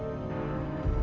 nadi maksiat structure tempat